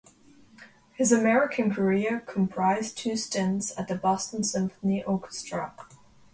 His American career comprised two stints at the Boston Symphony Orchestra.